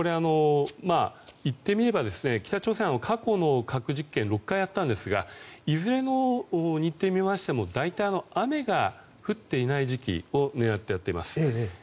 言ってみれば北朝鮮は過去の核実験６回やったんですがいずれの日程を見ましても大体、雨が降っていない時期を狙ってやっています。